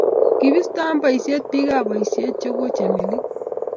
kibistoo boisie biikab boisie che ko Chemelil.